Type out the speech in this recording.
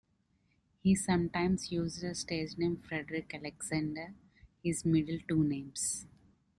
He sometimes used the stage name Frederick Alexander, his middle two names.